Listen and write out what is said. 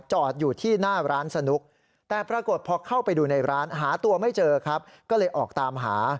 จอดอยู่ที่หน้าร้านสนุกแต่ปรากฏพอเข้าไปดูในร้านหาตัวไม่เจอครับก็เลยออกตามหา